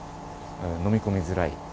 飲み込みづらい。